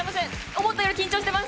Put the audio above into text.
思ったより緊張しています。